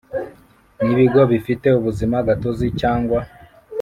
nibigo bifite ubuzima gatozi cyangwa